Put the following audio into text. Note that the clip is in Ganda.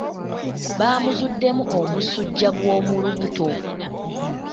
Baamuzuddemu omusujja gw'omu lubuto.